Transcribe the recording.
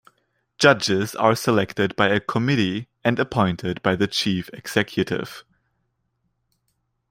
Judges are selected by a committee and appointed by the chief executive.